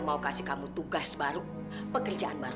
mau kasih kamu tugas baru pekerjaan baru